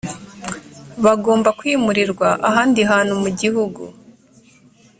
bagomba kwimurirwa ahandi hantu mu gihugu